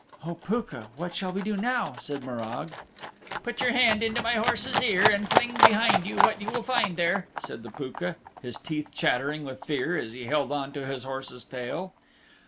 "Oh, Pooka, what shall we do now?" said Morag. "Put your hand into my horse's ear and fling behind what you will find there," said the Pooka, his teeth chattering with fear as he held on to his horse's tail.